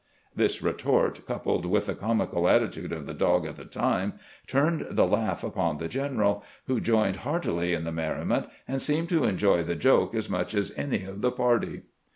This retort, coupled with the comical attitude of the dog at the time, turned the laugh upon the general, who joined heartily in the merriment, and seemed to enjoy the joke as much as any of the party.